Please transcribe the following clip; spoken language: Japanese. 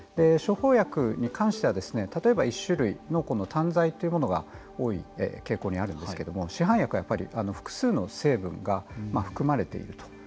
処方薬に関しては例えば、１種類のこの単剤というものが多い傾向にあるんですけれども市販薬はやっぱり複数の成分が含まれていると。